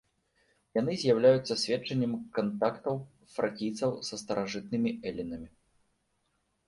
Яны з'яўляюцца сведчаннем кантактаў фракійцаў са старажытнымі элінамі.